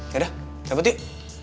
yaudah dapet yuk